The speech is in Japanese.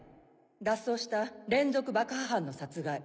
脱走した連続爆破犯の殺害。